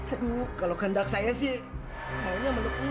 aduh kalau kehendak saya sih maunya meluk non